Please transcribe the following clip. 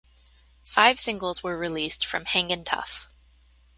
Five singles were released from "Hangin' Tough".